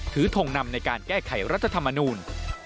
ทงนำในการแก้ไขรัฐธรรมนูล